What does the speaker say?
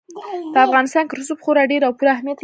په افغانستان کې رسوب خورا ډېر او پوره اهمیت لري.